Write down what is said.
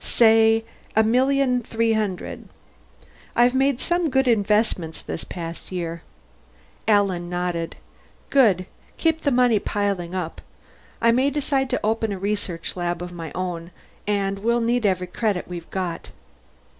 "Say, a million three hundred. I've made some good investments this past year." Alan nodded. "Good. Keep the money piling up. I may decide to open a research lab of my own, and we'll need every credit we've got."